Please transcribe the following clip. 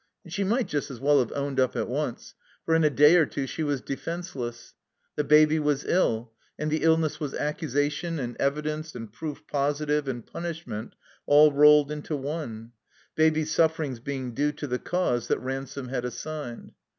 And she might just as weU have owned up at once; for in a day pr two she was defenseless. The Baby was ill; and the illness was accusation and evidence and proof positive and punishment aU rolled into one; Baby's sufferings being due to the cause that Ransome had assigned.